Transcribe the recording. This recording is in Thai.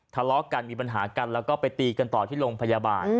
ทะเลาะกันมีปัญหากันแล้วก็ไปตีกันต่อที่โรงพยาบาล